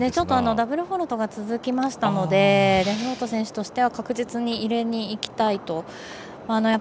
ダブルフォールトが続きましたのでデフロート選手としては確実に入れにいきたいと。